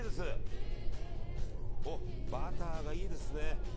バターがいいですね。